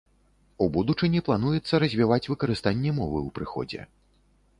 У будучыні плануецца развіваць выкарыстанне мовы ў прыходзе.